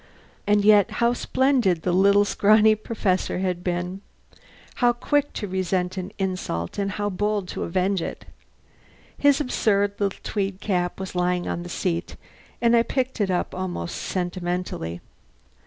And yet, how splendid the little, scrawny Professor had been! How quick to resent an insult and how bold to avenge it! His absurd little tweed cap was lying on the seat, and I picked it up almost sentimentally.